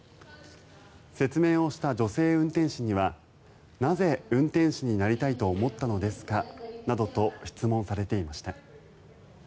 説明をした女性運転士にはなぜ運転士になりたいと思ったのですかなどと質問されていました。